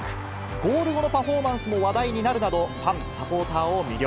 ゴール後のパフォーマンスも話題になるなど、ファン、サポーターを魅了。